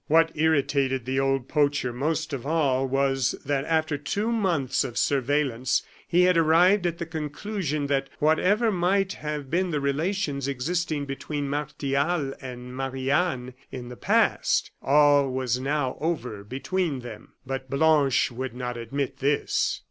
What irritated the old poacher most of all was, that after two months of surveillance, he had arrived at the conclusion that, whatever might have been the relations existing between Martial and Marie Anne in the past, all was now over between them. But Blanche would not admit this.